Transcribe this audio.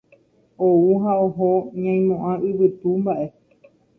Ou ha oho ñaimo'ã yvytu mba'e.